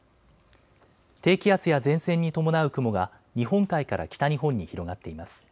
低気圧や前線に伴う雲が日本海から北日本に広がっています。